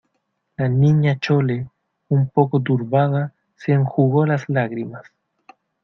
la Niña Chole, un poco turbada , se enjugó las lágrimas.